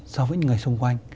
so với những người xung quanh